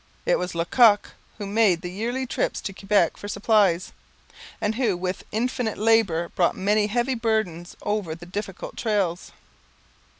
It was Le Coq who made the yearly trips to Quebec for supplies, and who with infinite labour brought many heavy burdens over the difficult trails.